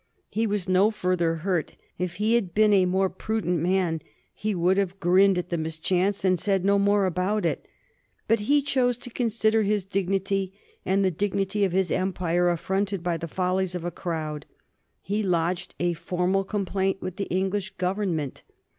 He was no further hurt; if he had been a more prudent man he would have grinned at the mischance and said no more about it. But he chose to consider his dignity and the dignity of his empire affronted by the follies of a crowd. He lodged a formal complaint with the English Government.